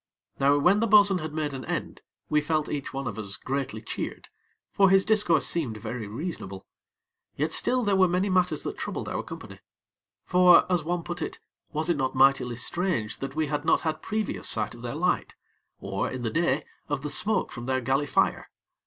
Now when the bo'sun had made an end, we felt each one of us greatly cheered; for his discourse seemed very reasonable. Yet still there were many matters that troubled our company; for, as one put it, was it not mightily strange that we had not had previous sight of their light, or, in the day, of the smoke from their galley fire?